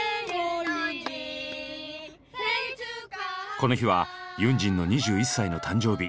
この日はユンジンの２１歳の誕生日。